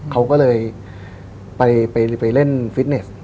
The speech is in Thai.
เขาก็เลยไปเล่นฟิตเนส